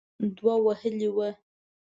دوه وهلې وه.